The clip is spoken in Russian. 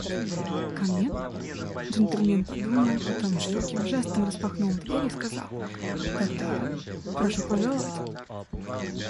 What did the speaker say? – Ко мне? – Джентльмен подумал, потом широким жестом распахнул дверь и сказал: – Тогда… прошу пожаловать!..